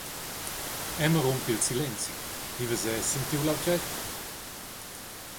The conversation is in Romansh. Emma rumpa il silenzi: «Vivas era sin tiu lautget?